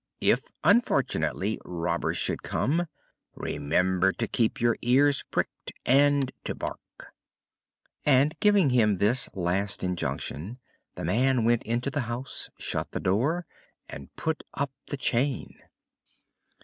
If unfortunately robbers should come, remember to keep your ears pricked and to bark." After giving him this last injunction the man went into the house, shut the door, and put up the chain.